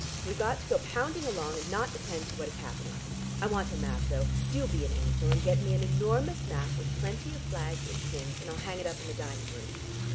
We've got to go pounding along, and not attend to what is happening. I want a map, though. Do be an angel, and get me an enormous map with plenty of flags and pins and I'll hang it up in the dining room.